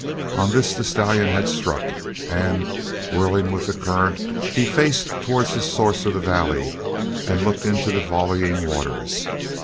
On this the stallion had struck, and whirling with the current he faced towards the source of the valley and looked into the volleying waters.